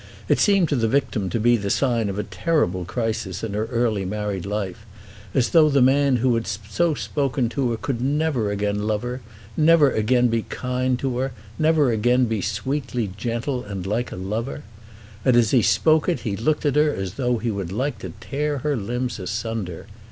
It seemed to the victim to be the sign of a terrible crisis in her early married life, as though the man who had so spoken to her could never again love her, never again be kind to her, never again be sweetly gentle and like a lover. And as he spoke it he looked at her as though he would like to tear her limbs asunder.